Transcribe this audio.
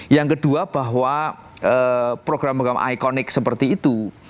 yang kedua bahwa program program ikonik seperti itu